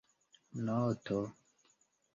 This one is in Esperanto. noto